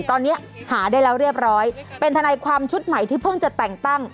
ตอนนี้หาได้แล้วเรียบร้อยเป็นทนายความชุดใหม่ที่เพิ่งจะแต่งตั้ง